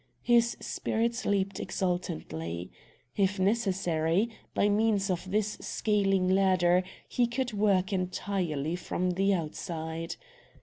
His spirits leaped exultantly. If necessary, by means of this scaling ladder, he could work entirely from the outside.